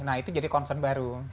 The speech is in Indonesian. nah itu jadi concern baru